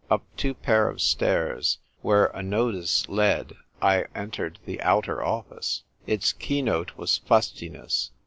Up two pair of stairs, where a notice led, I entered the Outer Office. Its keynote was fustiness.